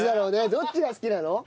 どっちが好きなの？